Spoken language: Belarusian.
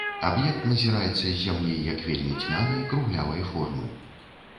Аб'ект назіраецца з зямлі як вельмі цьмяны, круглявай формы.